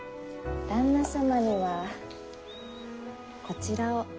旦那様にはこちらを。